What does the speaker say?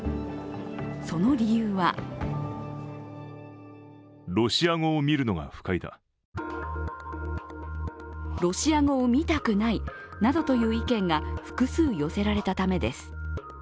その理由はロシア語を見たくないなどという意見が複数寄せられたためです。